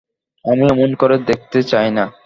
আমি অমন করে দেখতেই চাই নে।